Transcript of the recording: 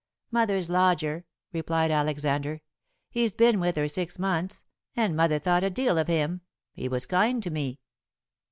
"Mother's lodger," replied Alexander; "he's been with her six months, and mother thought a deal of him. He was kind to me."